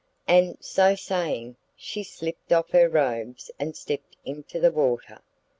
And, so saying, she slipped off her robes and stepped into the water.